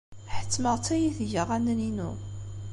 Ḥettmeɣ-tt ad iyi-teg aɣanen-inu.